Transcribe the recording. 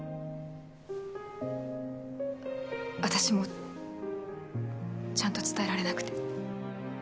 私もちゃんと伝えられなくて。